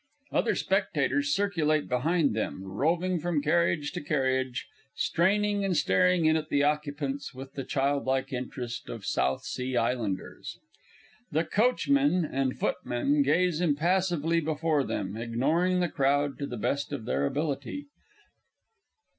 Other spectators circulate behind them, roving from carriage to carriage, straining and staring in at the occupants with the childlike interest of South Sea Islanders. The coachmen and footmen gaze impassively before them, ignoring the crowd to the best of their ability.